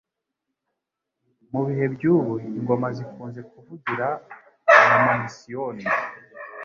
Mu bihe by'ubu ingoma zikunze kuvugira mu ma Misiyoni